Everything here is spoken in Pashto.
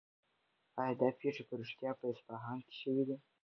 آیا دا پېښې په رښتیا په اصفهان کې شوې دي؟